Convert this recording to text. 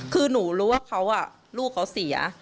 คือหนูรู้ว่าเขาลูกเขาเสีย